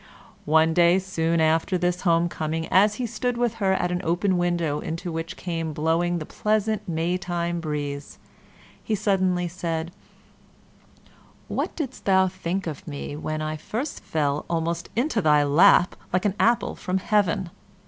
One day, soon after this home coming, as he stood with her at an open window into which came blowing the pleasant May time breeze, he suddenly said, "What didst thou think of me when I first fell almost into thy lap, like an apple from heaven?"